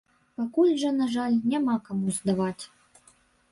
Пакуль жа, на жаль, няма каму здаваць.